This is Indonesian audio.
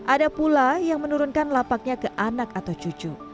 ada pula yang menurunkan lapaknya ke anak atau cucu